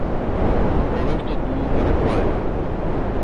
Floresta do Araguaia